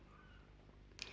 untuk mencapai satu jabatan